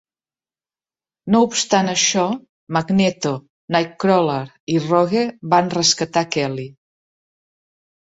No obstant això, Magneto, Nightcrawler i Rogue van rescatar Kelly.